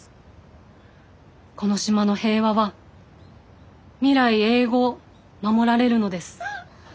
この島の平和は未来永劫守られるのです。